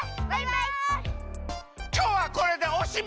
きょうはこれでおしまい！